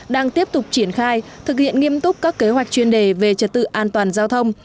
đang tiếp tục triển khai thực hiện nghiêm túc các kế hoạch chuyên đề về trật tự an toàn giao thông